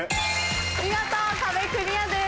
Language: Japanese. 見事壁クリアです。